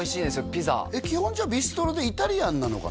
ピザ基本じゃあビストロでイタリアンなのかな？